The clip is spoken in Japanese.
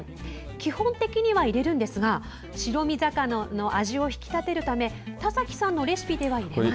基本的には入れるんですが白身魚の味を引き立てるため田崎さんのレシピでは入れません。